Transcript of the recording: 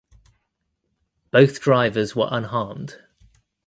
Both drivers were unharmed.